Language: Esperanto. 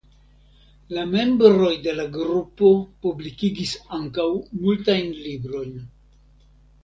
La membroj de la grupo publikigis ankaŭ multajn librojn.